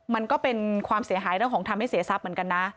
มันก็เป็นความเสียหายเรื่องของทำให้เสียทรัพย์เหมือนกันนะ